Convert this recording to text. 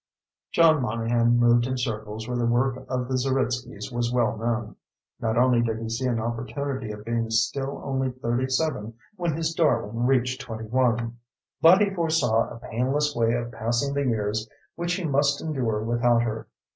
John Monahan moved in circles where the work of the Zeritskys was well known. Not only did he see an opportunity of being still only 37 when his darling reached 21, but he foresaw a painless way of passing the years which he must endure without her.